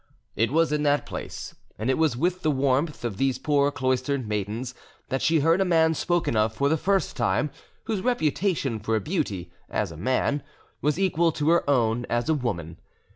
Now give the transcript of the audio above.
It was in that place, and it was with the warmth of these poor cloistered maidens, that she heard a man spoken of for the first time, whose reputation for beauty, as a man, was equal to her own, as a woman.